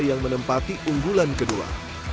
yang menempati unggulan kedua